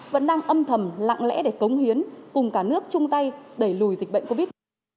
vẫn đang âm thầm lặng lẽ để cống hiến cùng cả nước chung tay đẩy lùi dịch bệnh covid